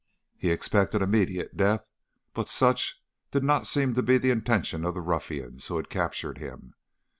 He expected immediate death, but such did not seem to be the intention of the ruffians who had captured him.